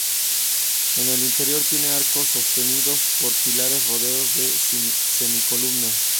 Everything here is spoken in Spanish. En el interior tiene arcos sostenidos por pilares rodeados de semicolumnas.